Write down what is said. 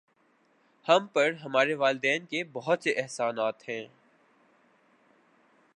ہم پر ہمارے والدین کے بہت سے احسانات ہیں